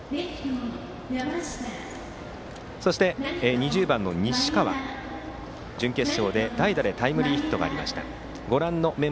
２０番の西河は準決勝で、代打でタイムリーヒットがありました。